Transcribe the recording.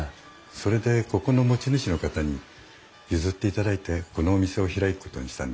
それでここの持ち主の方に譲っていただいてこのお店を開くことにしたんです。